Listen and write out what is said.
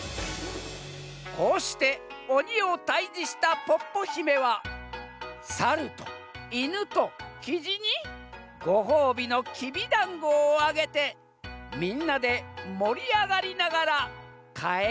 「こうしておにをたいじしたポッポひめはサルとイヌとキジにごほうびのきびだんごをあげてみんなでもりあがりながらかえりましたとさ。